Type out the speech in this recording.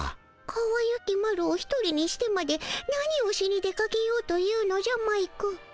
かわゆきマロを一人にしてまで何をしに出かけようというのじゃマイク。